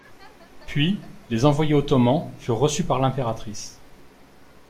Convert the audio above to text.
Puis, les envoyés ottomans furent reçus par l'impératrice.